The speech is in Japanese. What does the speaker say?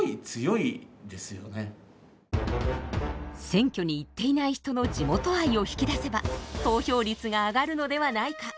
選挙に行っていない人の地元愛を引き出せば投票率が上がるのではないか。